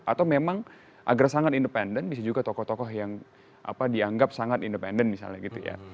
atau memang agar sangat independen bisa juga tokoh tokoh yang dianggap sangat independen misalnya gitu ya